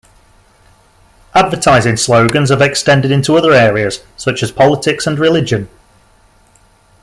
Advertising slogans have extended into other areas, such as politics and religion.